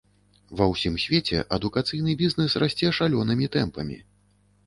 Ва ўсім свеце адукацыйны бізнэс расце шалёнымі тэмпамі.